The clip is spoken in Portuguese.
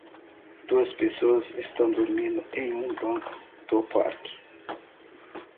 Duas pessoas estão dormindo em um banco do parque